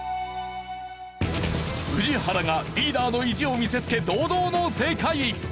宇治原がリーダーの意地を見せつけ堂々の正解！